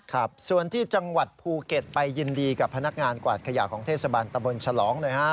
ครับส่วนที่จังหวัดภูเก็ตไปยินดีกับพนักงานกวาดขยะของเทศบาลตะบนฉลองหน่อยฮะ